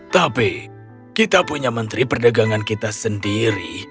tapi kita punya menteri perdagangan kita sendiri